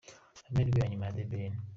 Amahirwe ya nyuma ya The Ben.